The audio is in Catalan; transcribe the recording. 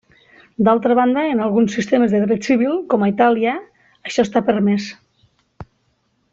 D'altra banda, en alguns sistemes de dret civil, com a Itàlia, això està permès.